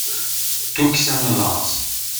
tukksa n laẓ